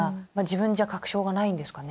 自分じゃ確証がないんですかね？